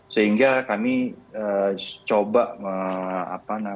sehingga kami coba mencoba